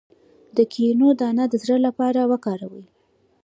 د کینو دانه د زړه لپاره وکاروئ